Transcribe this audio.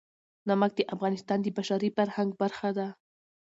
نمک د افغانستان د بشري فرهنګ برخه ده.